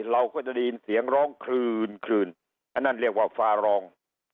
เราก็จะได้ยินเสียงร้องคลืนคลืนอันนั้นเรียกว่าฟ้ารอง